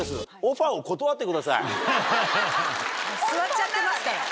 座っちゃってますから。